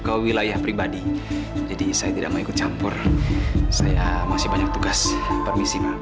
ke wilayah pribadi jadi saya tidak mau ikut campur saya masih banyak tugas permisi